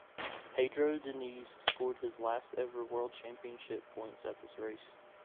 Pedro Diniz scored his last ever world championship points at this race.